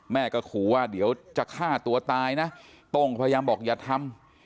แม่ก็ขู่ว่าเดี๋ยวจะฆ่าตัวตายนะโต้งพยายามบอกอย่าทำ